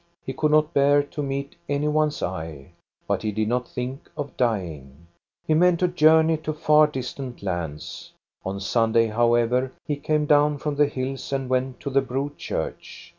He could not bear to meet any one's eye. But he did not think of dying. He meant to journey to far distant lands. On Sunday, however, he came down from the hills and went to the Bro church.